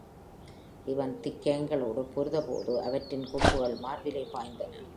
இவன் திக்கயங்களோடு பொருதபோது அவற்றின் கொம்புகள் மார்பிலே பாய்ந்தன.